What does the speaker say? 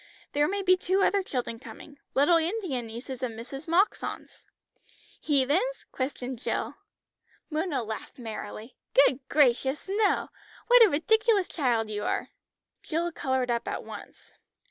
There may be two other children coming. Little Indian nieces of Mrs. Moxon's." "Heathens?" questioned Jill. Mona laughed merrily. "Good gracious, no! What a ridiculous child you are." Jill coloured up at once.